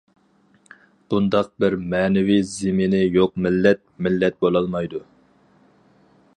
بۇنداق بىر مەنىۋى زېمىنى يوق مىللەت مىللەت بولالمايدۇ.